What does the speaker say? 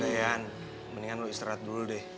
udah yan mendingan lo istirahat dulu deh